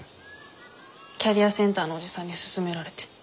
キャリアセンターのおじさんに勧められて。